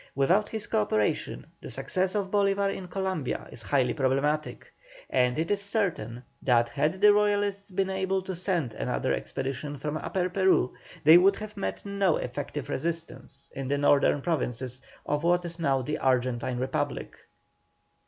Without his co operation the success of Bolívar in Columbia is highly problematical, and it is certain that had the Royalists been able to send another expedition from Upper Peru, they would have met no effective resistance in the northern provinces of what is now the Argentine Republic.